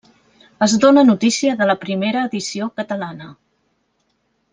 Es dóna notícia de la primera edició catalana.